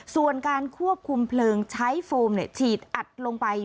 ส่วนการควบคุมเพลิงใช้โฟมฉีดอัดลงไป